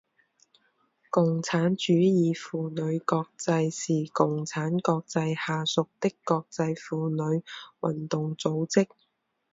共产主义妇女国际是共产国际下属的国际妇女运动组织。